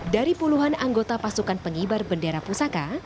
dari puluhan anggota pasukan pengibar bendera pusaka